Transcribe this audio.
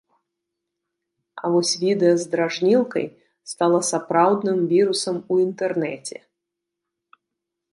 А вось відэа з дражнілкай стала сапраўдным вірусам у інтэрнэце.